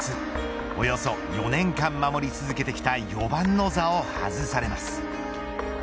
およそ４年間守り続けてきた４番の座を外されます。